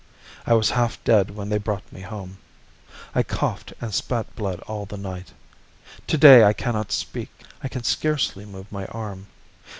I was half dead when they brought me home. I coughed and spat blood all the night. To day I can not speak, I can scarcely move my arm.